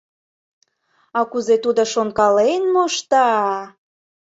А кузе тудо шонкален мошта!